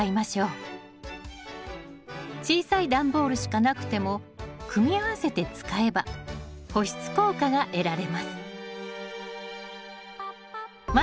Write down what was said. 小さい段ボールしかなくても組み合わせて使えば保湿効果が得られます。